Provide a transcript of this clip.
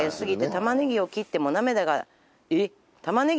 「玉ねぎを切っても涙が」えっ！？